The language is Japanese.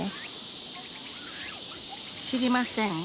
知りません？